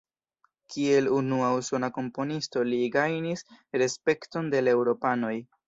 Kiel unua usona komponisto li gajnis respekton de la eŭropanoj.